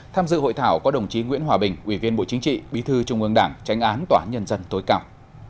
tham dự hội thảo có đồng chí nguyễn hòa bình ủy viên bộ chính trị bí thư trung ương đảng tranh án tòa án nhân dân tối cao